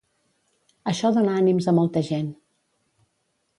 Això dóna ànims a molta gent.